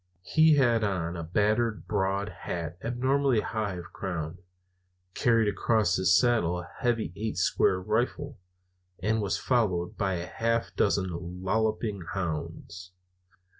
He had on a battered broad hat abnormally high of crown, carried across his saddle a heavy "eight square" rifle, and was followed by a half dozen lolloping hounds.